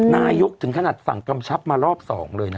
นายกถึงขนาดสั่งกำชับมารอบ๒เลยนะ